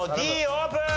Ｄオープン！